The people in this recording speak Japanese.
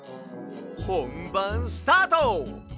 ほんばんスタート！